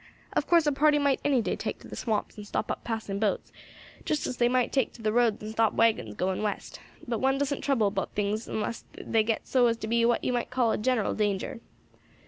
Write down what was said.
Of course a party might any day take to the swamps and stop up passing boats, just as they might take to the roads and stop waggons going west; but one doesn't trouble about things onless they get so as to be what you might call a general danger.